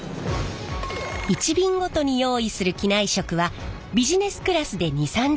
１便ごとに用意する機内食はビジネスクラスで２０３０食。